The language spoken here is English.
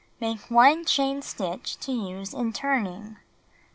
Make 1 chain stitch to use in turning.